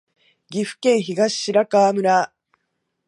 岐阜県東白川村